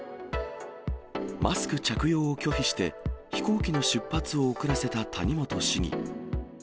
マスク着用を拒否して、飛行機の出発を遅らせた谷本市議。